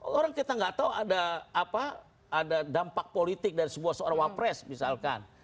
orang kita nggak tahu ada dampak politik dari sebuah seorang wapres misalkan